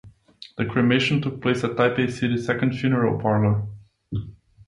The cremation took place at Taipei City Second Funeral Parlor.